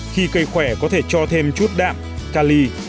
khi cây khỏe có thể cho thêm chút đạm ca ly